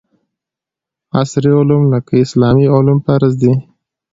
عصري علوم لکه اسلامي علوم فرض دي